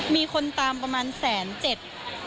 มีคนตามประมาณแสนเจ็ด